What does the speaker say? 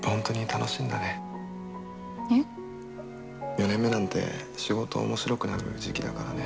４年目なんて仕事面白くなる時期だからね。